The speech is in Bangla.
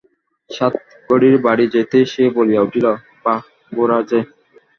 সাতকড়ির বাড়ি যাইতেই সে বলিয়া উঠিল, বাঃ, গোরা যে!